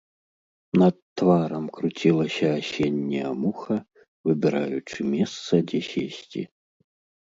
Над тварам круцілася асенняя муха, выбіраючы месца, дзе сесці.